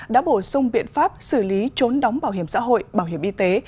đã bổ sung biện pháp xử lý trốn đóng bảo hiểm xã hội bảo hiểm y tế